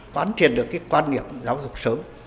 quán triển được cái quan điểm giáo dục sớm